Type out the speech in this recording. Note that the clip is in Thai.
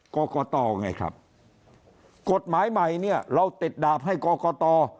กรกตไงครับกฎหมายใหม่เนี่ยเราติดดาบให้กรกต